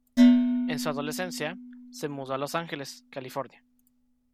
En su adolescencia, se mudó a Los Ángeles, California.